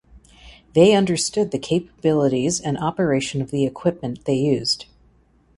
They understood the capabilities and operation of the equipment they used.